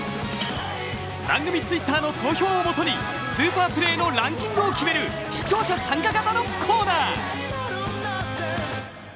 番組Ｔｗｉｔｔｅｒの投票をもとにスーパープレーのランキングを決める視聴者参加型のコーナー。